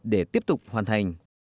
để tiếp tục hoàn thành